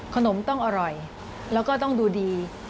ขนมต้องอร่อยแล้วก็ต้องดูดี